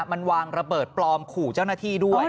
มันวางระเบิดปลอมขู่เจ้าหน้าที่ด้วย